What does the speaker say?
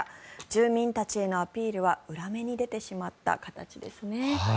住民たちへのアピールは裏目に出てしまった形ですね。